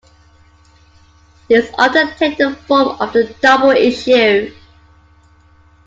These often take the form of a double issue.